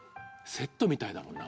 セットみたいだもんな